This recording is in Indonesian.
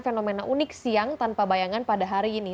fenomena unik siang tanpa bayangan pada hari ini